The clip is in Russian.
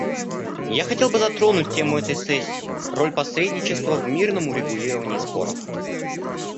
Я хотел бы затронуть тему этой сессии — роль посредничества в мирном урегулировании споров.